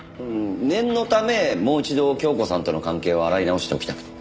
念のためもう一度京子さんとの関係を洗い直しておきたくて。